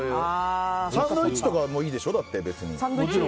サンドイッチとかもいいでしょ。